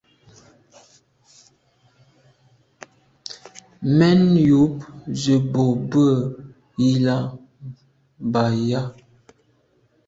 Mèn yub ze bo bwe i là b’a yà.